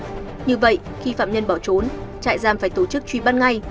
như vậy khi phạm nhân bỏ trốn trại giam phải tổ chức truy bắt ngay